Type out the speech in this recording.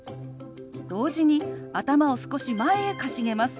同時に頭を少し前へかしげます。